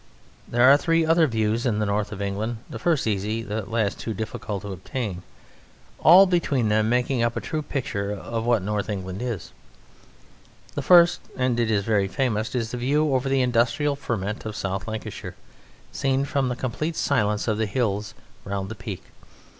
There are three other views in the North of England, the first easy, the last two difficult to obtain, all between them making up a true picture of what the North of England is. The first (and it is very famous) is the view over the industrial ferment of South Lancashire, seen from the complete silence of the hills round the Peak.